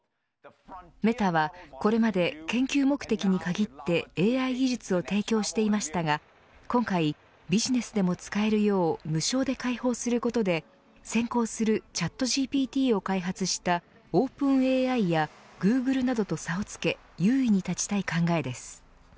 メタは、これまで研究目的に限ってＡＩ技術を提供していましたが今回ビジネスでも使えるよう無償で解放することで先行するチャットＧＰＴを開発したオープンＡＩやグーグルなどと差をつけ優位に立ちたい考えです。